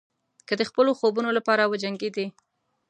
که د خپلو خوبونو لپاره وجنګېدئ.